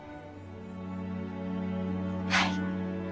はい。